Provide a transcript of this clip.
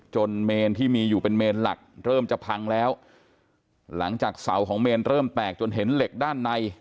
เมนที่มีอยู่เป็นเมนหลักเริ่มจะพังแล้วหลังจากเสาของเมนเริ่มแตกจนเห็นเหล็กด้านใน